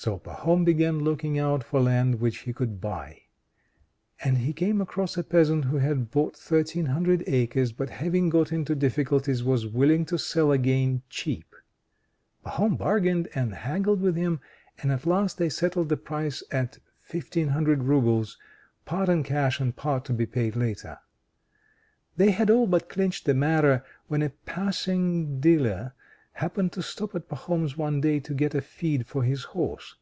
So Pahom began looking out for land which he could buy; and he came across a peasant who had bought thirteen hundred acres, but having got into difficulties was willing to sell again cheap. Pahom bargained and haggled with him, and at last they settled the price at 1,500 roubles, part in cash and part to be paid later. They had all but clinched the matter, when a passing dealer happened to stop at Pahom's one day to get a feed for his horse.